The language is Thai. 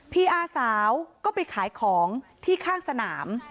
พี่อาสาวก็ไปขายของที่ข้างสนาม